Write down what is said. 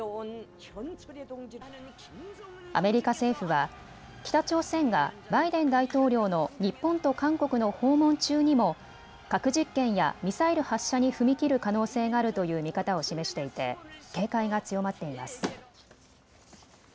アメリカ政府は北朝鮮がバイデン大統領の日本と韓国の訪問中にも核実験やミサイル発射に踏み切る可能性があるという見方を示していて警戒が強まっています。